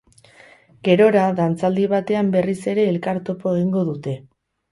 Gerora, dantzaldi batean berriz ere elkar topo egingo dute.